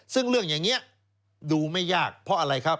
ซึ่งเรื่องอย่างนี้ดูไม่ยากเพราะอะไรครับ